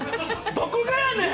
どこがやねん！